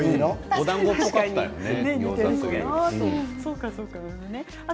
おだんごっぽかったよね。